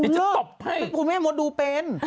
ตบให้คุณแม่มดดูเป็น